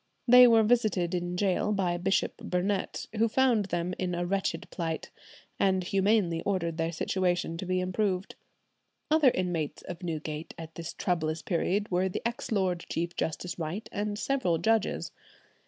They were visited in gaol by Bishop Burnet, who found them in a wretched plight, and humanely ordered their situation to be improved. Other inmates of Newgate at this troublous period were the ex Lord Chief Justice Wright and several judges.